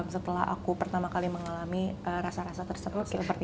setelah aku pertama kali mengalami rasa rasa tersebut